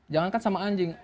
jangan kan sama anjing